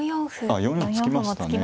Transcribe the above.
あ４四歩突きましたね。